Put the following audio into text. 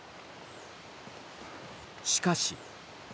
しかし。